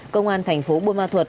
công an thành phố bùa ma thuật